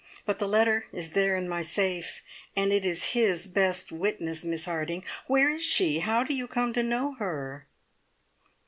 But the letter is there in my safe, and it is his best witness, Miss Harding. Where is she? How do you come to know her?"